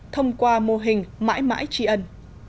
thông qua mô hình mãi mãi tri ân